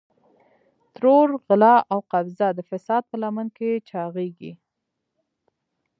ترور، غلا او قبضه د فساد په لمن کې چاغېږي.